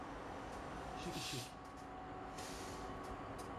Xique-Xique